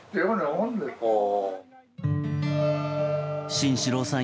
慎四郎さん